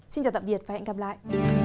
xin chào tạm biệt và hẹn gặp lại